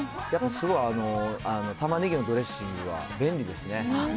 やっぱ、すごいタマネギのドレッシングは便利ですね。